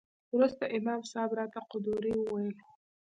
وروسته امام صاحب راته قدوري وويل.